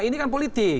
ini kan politik